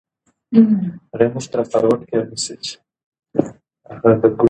لوستې نجونې د ټولنې خدمت ته چمتو ساتي.